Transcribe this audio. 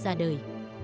của nfc ra đời